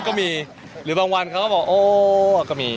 ก็มีหรือบางวันเขาก็บอกโอ้ก็มี